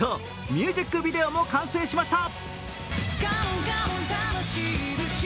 ミュージックビデオも完成しました。